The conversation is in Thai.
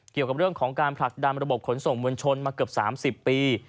เกี่ยวกับเรื่องของการผลักดันระบบขนส่งมวลชนมาเกือบ๓๐ปี